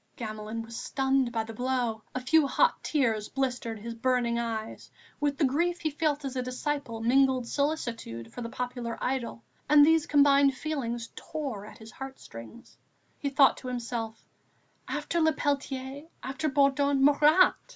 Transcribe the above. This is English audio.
Gamelin was stunned by the blow. A few hot tears blistered his burning eyes. With the grief he felt as a disciple mingled solicitude for the popular idol, and these combined feelings tore at his heart strings. He thought to himself: "After Le Peltier, after Bourdon, Marat!...